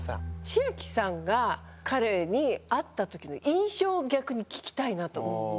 千明さんが彼に会った時の印象を逆に聞きたいなと思って。